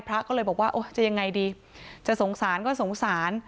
พระก็เลยบอกว่าโอ้จะยังไงดีจะสงสารก็สงสาร